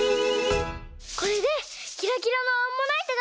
これでキラキラのアンモナイトがつくれそう。